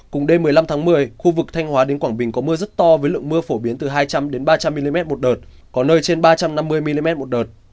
cùng đêm một mươi năm tháng một mươi khu vực thanh hóa đến quảng bình có mưa rất to với lượng mưa phổ biến từ hai trăm linh ba trăm linh mm một đợt có nơi trên ba trăm năm mươi mm một đợt